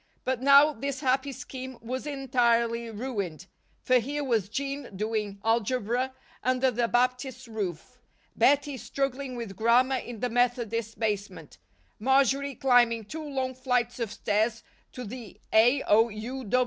But now this happy scheme was entirely ruined, for here was Jean doing algebra under the Baptist roof, Bettie struggling with grammar in the Methodist basement, Marjory climbing two long flights of stairs to the A. O. U.